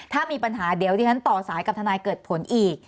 ถ้ามีปัญหาเดี๋ยวดิฉันต่อสายกับทนายเกิดผลอีก